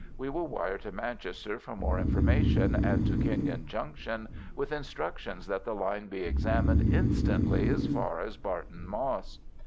We will wire to Manchester for more information, and to Kenyon Junction with instructions that the line be examined instantly as far as Barton Moss."